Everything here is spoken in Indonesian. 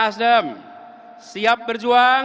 partai nasdem siap berjuang